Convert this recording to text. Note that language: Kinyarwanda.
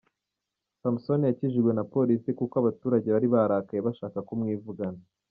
Samson yakijijwe na polisi kuko abaturage bari barakaye bashaka kumwivugana.